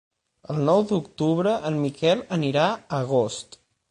El nou d'octubre en Miquel anirà a Agost.